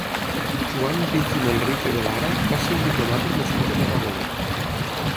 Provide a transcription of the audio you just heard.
Joan Vich i Manrique de Lara va ser un diplomàtic nascut a Tarragona.